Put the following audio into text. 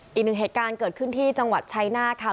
อีกหนึ่งเหตุการณ์เกิดขึ้นที่จังหวัดชัยนาธค่ะ